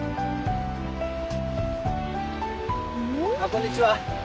こんにちは。